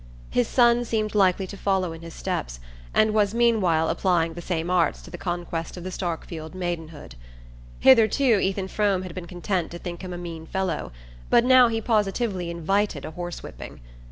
His son seemed likely to follow in his steps, and was meanwhile applying the same arts to the conquest of the Starkfield maidenhood. Hitherto Ethan Frome had been content to think him a mean fellow; but now he positively invited a horse whipping.